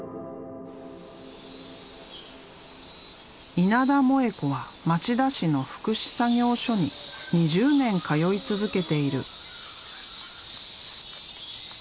稲田萌子は町田市の福祉作業所に２０年通い続けている。